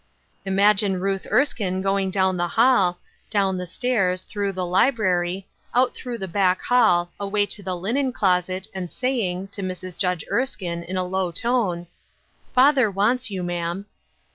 Imagine Ruth Erskine going down the hall, down the stairs, through the library, out through the back hall, away to the linen closet, and saying, to Mrs. Judge Erskine, in a low tone: " Father wants you, ma'am